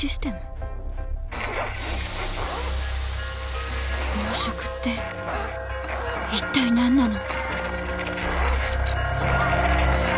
心の声「飽食」って一体何なの？